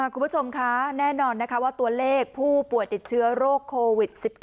คุณผู้ชมคะแน่นอนนะคะว่าตัวเลขผู้ป่วยติดเชื้อโรคโควิด๑๙